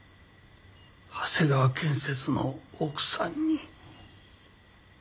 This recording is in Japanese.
長谷川建設の奥さんに。